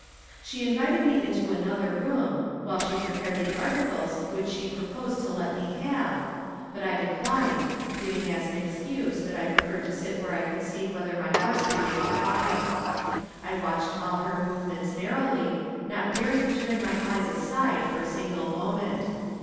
She invited me into another room, while she prepared the articles which she proposed to let me have, but I declined, giving as an excuse that I preferred to sit where I could see whether my horse remained quiet. I watched all her movements narrowly, not daring to turn my eyes aside for a single moment.